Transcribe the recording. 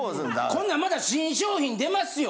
こんなんまた新商品出ますよ。